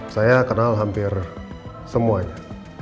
saya kenal hampir semuanya